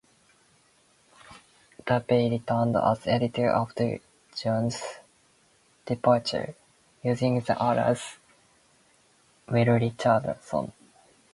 Dubay returned as editor after Jones' departure, using the alias "Will Richardson".